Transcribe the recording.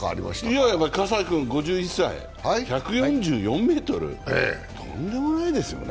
いやいや、葛西君５１歳、１４４ｍってとんでもないですよね。